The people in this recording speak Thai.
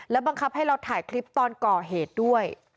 บังคับให้เราถ่ายคลิปตอนก่อเหตุด้วย